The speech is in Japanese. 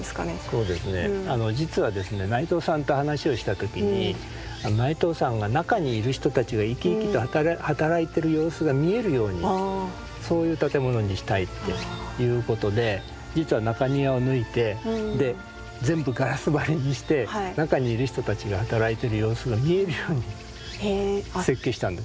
そうですね実はですね内藤さんと話をした時に内藤さんが中にいる人たちが生き生きと働いてる様子が見えるようにそういう建物にしたいっていうことで実は中庭を抜いてで全部ガラス張りにして中にいる人たちが働いてる様子が見えるように設計したんです。